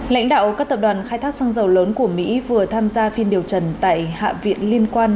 lãnh đạo các tập đoàn khai thác xăng dầu lớn của mỹ vừa tham gia phiên điều trần tại hạ viện liên quan